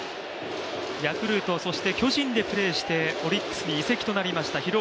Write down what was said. ヤクルト、巨人でプレーしてオリックスに移籍になりました。